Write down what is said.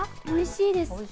おいしいです。